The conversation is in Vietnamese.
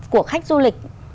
của khách du lịch